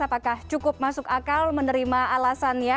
apakah cukup masuk akal menerima alasannya